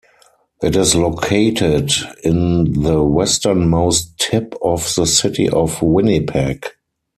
It is located in the westernmost tip of the City of Winnipeg.